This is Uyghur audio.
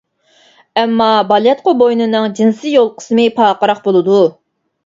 ئەمما بالىياتقۇ بوينىنىڭ جىنسىي يول قىسمى پارقىراق بولىدۇ.